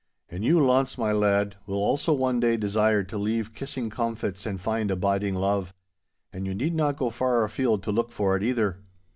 'And you, Launce, my lad, will also one day desire to leave kissing comfits and find abiding love. And you need not go far afield to look for it either.